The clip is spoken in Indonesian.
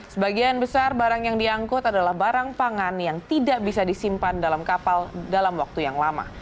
sebagian besar barang yang diangkut adalah barang pangan yang tidak bisa disimpan dalam kapal dalam waktu yang lama